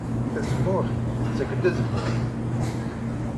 Tazemmurt tettak-d azemmur.